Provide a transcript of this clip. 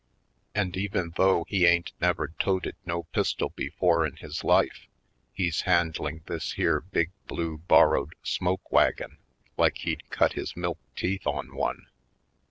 And even though he ain't never toted no pistol before in his life he's handling this here big blue borrowed smoke wagon like he'd cut his milk teeth on one.